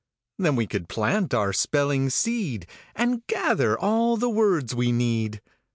Then we could plant our spelling seed, And gather all the words we need.